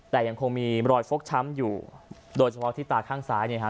แต่ยังคงมีรอยฟกช้ำอยู่โดยเฉพาะที่ตาข้างซ้ายเนี่ยฮะ